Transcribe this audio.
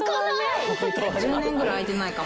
１０年ぐらい開いてないかも。